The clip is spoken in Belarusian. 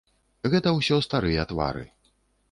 Гэта ўсё старыя твары.